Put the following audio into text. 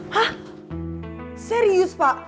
hah serius pak